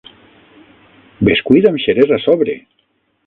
Bescuit amb xerès a sobre!